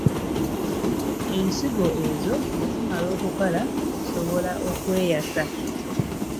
Ensigo ezo bwe zimala okukala, zisobola okweyasa.